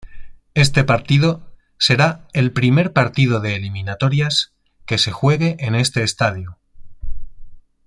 Este partido será el primer partido de eliminatorias que se juegue en este estadio.